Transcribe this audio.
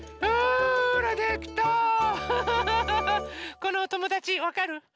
このおともだちわかる？